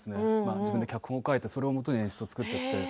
自分で脚本を書いてそれをもとに演出を作って。